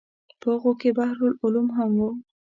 په هغو کې بحر العلوم هم و.